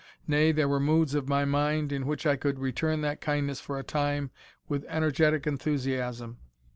Nay, there were moods of my mind, in which I could return that kindness for a time with energetic enthusiasm.